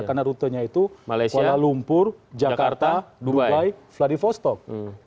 karena rutenya itu kuala lumpur jakarta dubai vladivostok